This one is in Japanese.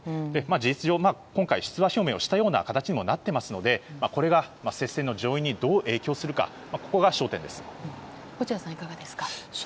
事実上、今回出馬表明したような形にもなっていますのでこれが、接戦の上院にどう影響するか落合さん、いかがですか？